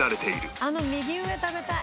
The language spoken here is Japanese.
あの右上食べたい。